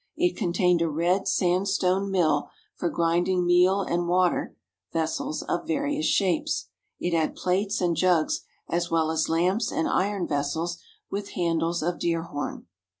It contained a red sandstone mill for grinding meal and water vessels of various shapes. It had plates and jugs as well as lamps and iron vessels with handles of deer horn.